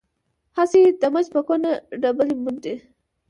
هسې د مچ په کونه ډبلی منډي.